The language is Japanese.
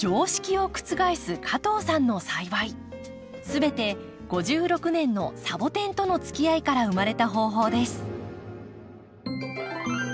全て５６年のサボテンとのつきあいから生まれた方法です。